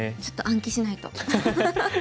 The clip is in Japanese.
ちょっと暗記しないと。